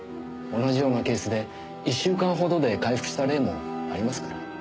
同じようなケースで１週間ほどで回復した例もありますから。